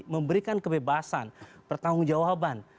memberikan kebebasan bertanggung jawaban